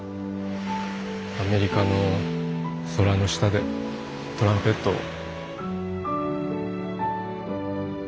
アメリカの空の下でトランペットを。